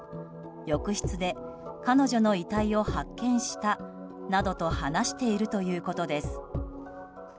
浴室で彼女の遺体を発見したなどと話しているということです。